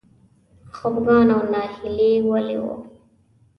خپګان او ناهیلي ولې و؟